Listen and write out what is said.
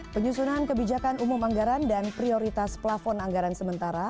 penyusunan kebijakan umum anggaran dan prioritas plafon anggaran sementara